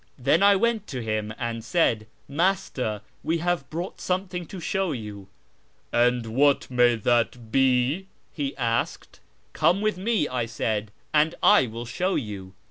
Then I went to him and said, ' Master, we have brought something to show you.' ' And what may that be ?' he asked. ' Come with me,' I said, ' and I will show you.'